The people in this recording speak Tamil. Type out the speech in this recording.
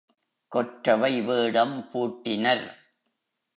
கொற்றவை வேடம் பூட்டினர்.